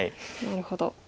なるほど。